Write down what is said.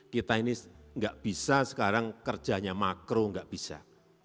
kita ini enggak bisa sekarang kerjanya makro enggak bisa